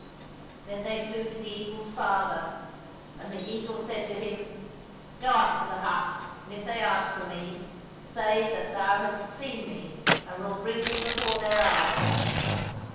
Then they flew to the eagle's father, and the eagle said to him, " Go up to the hut, and if they ask for me, say that thou hast seen me and will bring me before their eyes."